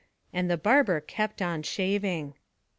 And the barber kept on shaving.